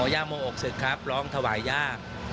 ย่าโมอกศึกครับร้องถวายย่า